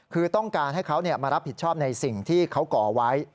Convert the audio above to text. คือต้องการให้เขามารับผิดชอบในสิ่งที่เขาก่อไว้